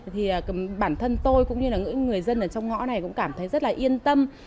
thì bản thân tôi cũng như là người dân ở trong ngõ này cũng cảm thấy rất là yên tâm